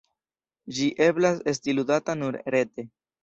Ĝi eblas esti ludata nur rete.